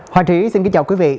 hòa chí xin kính chào quý vị